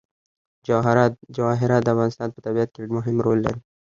جواهرات د افغانستان په طبیعت کې مهم رول لري.